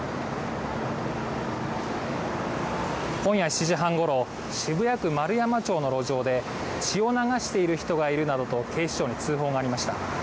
今夜７時半ごろ渋谷区円山町の路上で血を流している人がいるなどと警視庁に通報がありました。